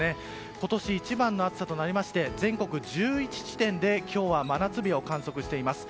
今年一番の暑さとなりまして全国１１地点で今日は真夏日を観測しています。